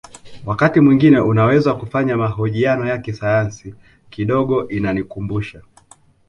Wakati mwingine unaweza kufanya mahojiano ya kisayansi kidogo inanikumbusha